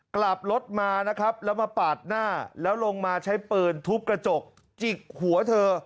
กลับรถมานะครับแล้วมาปาดหน้าแล้วลงมาใช้ปืนทุบกระจกจิกหัวเธอ